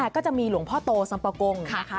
ก็จะมีหลวงพ่อโตสัมปะกงนะคะ